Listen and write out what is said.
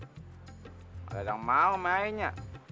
kadang kadang mau mah ye nyiak